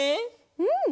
うん！